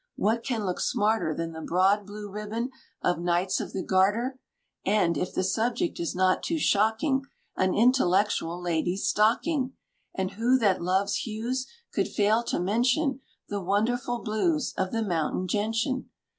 What can look smarter Than the broad blue ribbon of Knights of the Garter? And, if the subject is not too shocking, An intellectual lady's stocking. And who that loves hues Could fail to mention The wonderful blues Of the mountain gentian?"